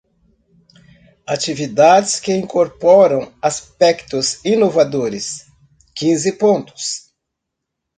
Atividades que incorporam aspectos inovadores, quinze pontos.